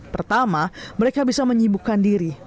pertama mereka bisa menyibukkan diri